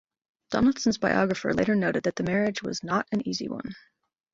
Donaldson's biographer later noted that the marriage was "not an easy one".